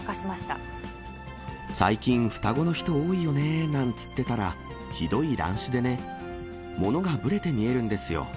最近、双子の人多いよねーなんつってたら、ひどい乱視でね、物がぶれて見えるんですよ。